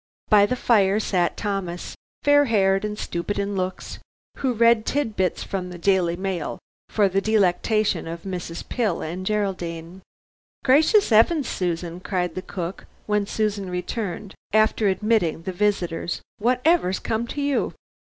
By the fire sat Thomas, fair haired and stupid in looks, who read tit bits from the Daily Mail for the delectation of Mrs. Pill and Geraldine. "Gracious 'eavens, Susan," cried the cook, when Susan returned, after admitting the visitors, "whatever's come to you?"